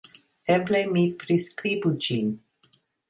Eble mi priskribu ĝin.